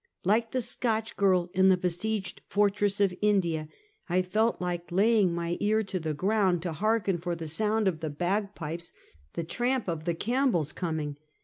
Like the Scotch girl in the besieged fortress of India, I felt like laying my ear to the ground, YlSITEES. 321 to barken for the sound of the bagpipes, the tramp of the Campbells coming.